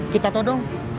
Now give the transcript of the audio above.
kita tau dong